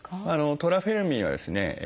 トラフェルミンはですね